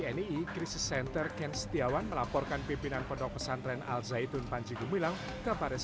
nii krisis center ken setiawan melaporkan pimpinan pondok pesantren al zaitun panji gumilang ke baris